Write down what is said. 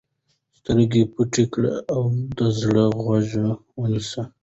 سترګې پټې کړه او د زړه غوږ ونیسه.